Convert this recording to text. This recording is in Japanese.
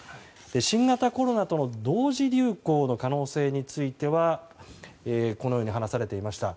新型コロナとの同時流行の可能性についてはこのように話されていました。